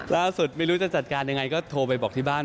ล่าสุดไม่รู้จะจัดการอย่างไรก็โทรไปบอกที่บ้าน